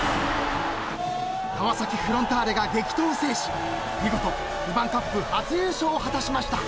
［川崎フロンターレが激闘を制し見事ルヴァンカップ初優勝を果たしました］